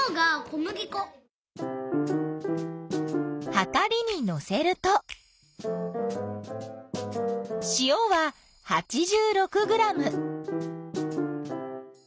はかりにのせるとしおは８６ｇ。